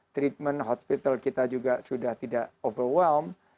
treatment hospital kita juga sudah tidak overwalm